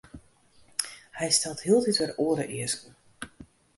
Hy stelt hieltyd wer oare easken.